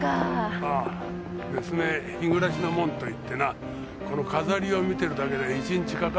ああ別名日暮の門といってなこの飾りを見てるだけで一日かかるってもんだ。